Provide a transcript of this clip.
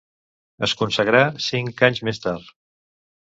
Es consagrà cinc anys més tard.